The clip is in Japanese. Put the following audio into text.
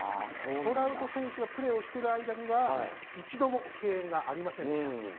トラウト選手がプレーしている間には一度も敬遠がありませんでした。